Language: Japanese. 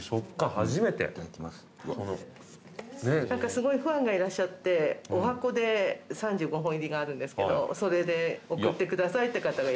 すごいファンがいらっしゃってお箱で３５本入りがあるんですけどそれで送ってくださいって方がいらっしゃって。